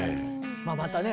まあまたね